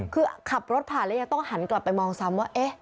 คือขับรถผ่านแล้วยังต้องหันกลับไปมองซ้ำว่า